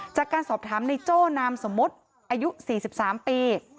จากการสอบถามในโจ้นามสมมุติอายุ๔๓ปี